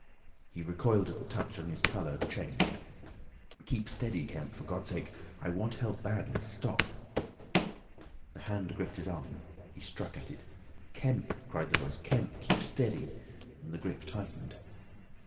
He recoiled at the touch and his colour changed. "Keep steady, Kemp, for God's sake! I want help badly. Stop!" The hand gripped his arm. He struck at it. "Kemp!" cried the Voice. "Kemp! Keep steady!" and the grip tightened.